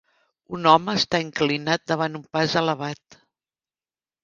Un home està inclinat davant un pas elevat.